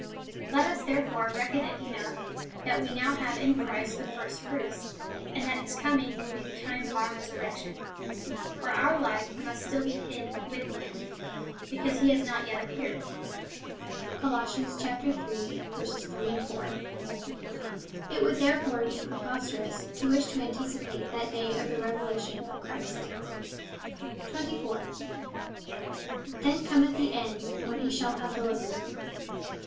Let us there fore reckon it enough, that we now have in Christ the first fruits,^ and that his coming^ will be the time of our resur rection. For our life must still be hid with him, because he has not yet appeared. (Col. iii. 3, 4.) It would therefore be preposterous to wish to anticipate that day of the revela tion of Christ. 24. Then cometh the end, when he shall have delivered.